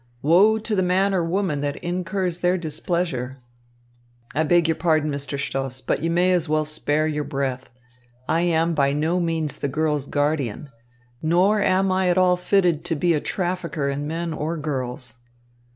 Woe to the man or woman that incurs their displeasure." "I beg your pardon, Mr. Stoss, but you may as well spare your breath. I am by no means the girl's guardian. Nor am I at all fitted to be a trafficker in men or girls."